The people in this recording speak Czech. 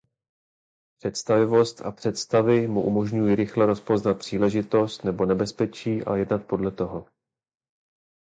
Představivost a představy mu umožňují rychle rozpoznat příležitost nebo nebezpečí a jednat podle toho.